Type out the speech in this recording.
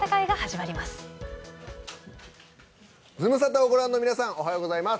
まズムサタをご覧の皆さん、おはようございます。